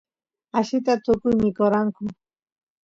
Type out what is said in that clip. allita tukuy mikoranku